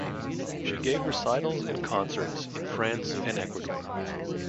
She gave recitals and concerts in France and Ecuador.